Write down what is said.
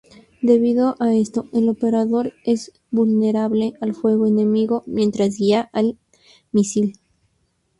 Debido a esto el operador es vulnerable al fuego enemigo mientras guía al misil.